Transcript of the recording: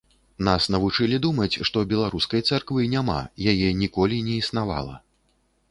Нас навучылі думаць, што беларускай царквы няма, яе ніколі не існавала.